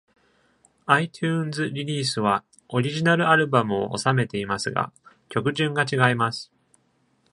iTunes リリースはオリジナルアルバムを収めていますが、曲順が違います。